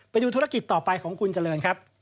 ไปดูธุรกิจต่อไปของคุณเจริญครับ